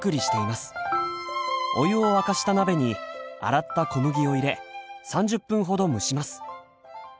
お湯を沸かした鍋に洗った小麦を入れ３０分ほど蒸します。